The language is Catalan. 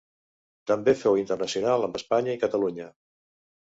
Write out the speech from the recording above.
També fou internacional amb Espanya i Catalunya.